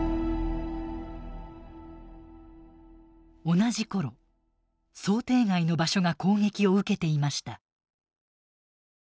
同じ頃想定外の場所が攻撃を受けていました。